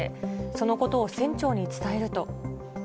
そのことを船長に伝えると。